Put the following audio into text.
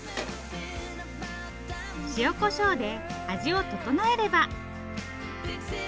塩こしょうで味を調えれば。